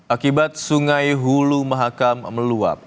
akibat sungai hulu mahakam meluap